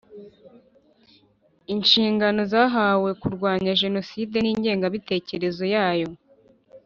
inshingano zahawe kurwanya jenoside n ingengabitekerezo yayo